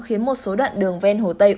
khiến một số đoạn đường ven hồ tây